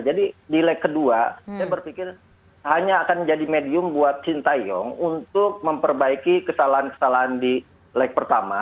jadi di leg kedua saya berfikir hanya akan menjadi medium buat shin taeyong untuk memperbaiki kesalahan kesalahan di leg pertama